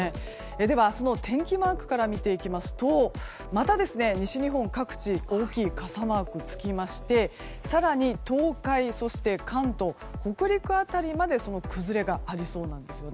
では明日の天気マークから見ていきますとまた西日本各地大きい傘マークつきまして更に、東海や関東北陸辺りまでその崩れがありそうなんです。